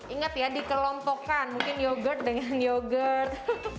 ingat ya dikelompokkan mungkin yogurt dengan yogurt